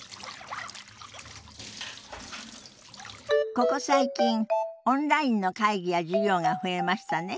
ここ最近オンラインの会議や授業が増えましたね。